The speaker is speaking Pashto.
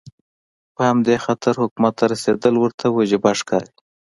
په همدې خاطر حکومت ته رسېدل ورته وجیبه ښکاري.